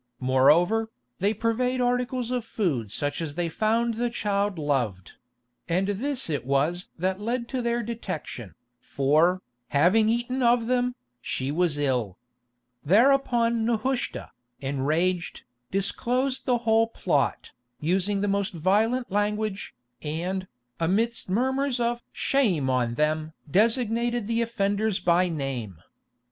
Moreover, they purveyed articles of food such as they found the child loved; and this it was that led to their detection, for, having eaten of them, she was ill. Thereupon Nehushta, enraged, disclosed the whole plot, using the most violent language, and, amidst murmurs of "Shame on them!" designating the offenders by name.